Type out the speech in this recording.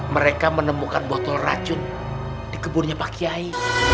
mereka menemukan botol racun di kebunnya pak kiai